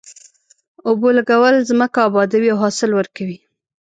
اوبو لګول ځمکه ابادوي او حاصل ورکوي.